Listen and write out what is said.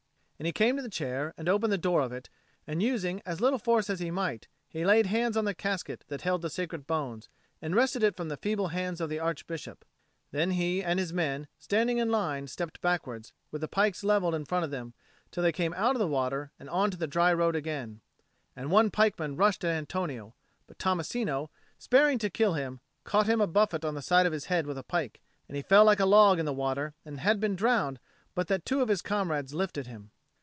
And he came to the chair and opened the door of it, and, using as little force as he might, he laid hands on the casket that held the sacred bones, and wrested it from the feeble hands of the Archbishop. Then he and his men, standing in line, stepped backwards with the pikes levelled in front of them till they came out of the water and on to the dry road again; and one pikeman rushed at Antonio, but Tommasino, sparing to kill him, caught him a buffet on the side of the head with a pike, and he fell like a log in the water, and had been drowned, but that two of his comrades lifted him.